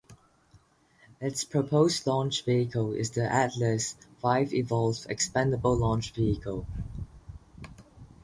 Its proposed launch vehicle is the Atlas Five Evolved Expendable Launch Vehicle.